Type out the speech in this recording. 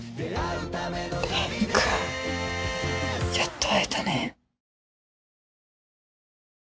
蓮くんやっと会えたね。